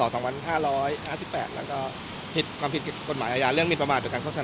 แล้วก็ผิดความผิดผิดกฎหมายอาญาเรื่องมินประมาทโดยการโฆษณ